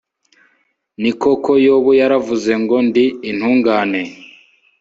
ni koko, yobu yaravuze ngo 'ndi intungane